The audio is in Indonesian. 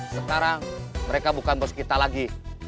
sekarang mereka bukan bos kita lagi